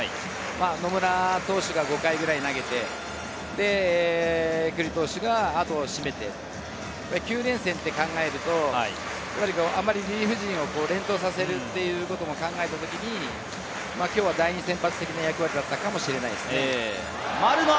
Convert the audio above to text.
野村投手が５回まで投げて、九里投手があとを締めて、９連戦を考えると、あまりリリーフ陣を連投させるということを考えたときに、第２先発的な役割だったのかもしれません。